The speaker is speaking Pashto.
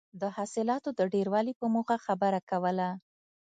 د حاصلاتو د ډېروالي په موخه خبره کوله.